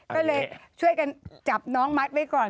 ก็เลยช่วยกันจับน้องมัดไว้ก่อน